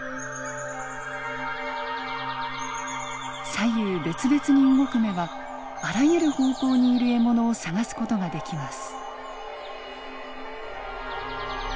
左右別々に動く目はあらゆる方向にいる獲物を探す事ができます。